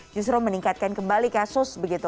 justru meningkatkan kembali kasus begitu